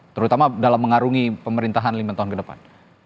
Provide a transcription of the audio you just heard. terutama dalam mengarungi pemerintahan lima tahun ke depan